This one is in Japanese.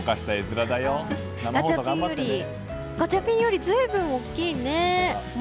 ガチャピンより随分大きいね。